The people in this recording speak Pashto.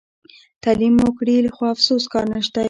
تعلیم مو کړي خو افسوس کار نشته.